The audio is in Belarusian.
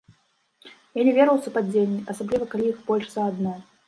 Я не веру ў супадзенні, асабліва калі іх больш за адно.